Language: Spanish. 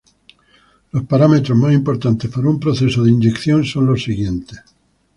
Los parámetros más importantes para un proceso de inyección son los siguientes.